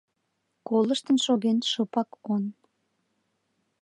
Колыштын шоген шыпак он